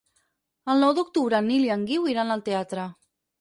El nou d'octubre en Nil i en Guiu iran al teatre.